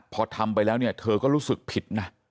พอทำไปแล้วเนี่ยเธอก็รู้สึกผิดนะ